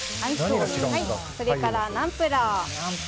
それからナンプラー。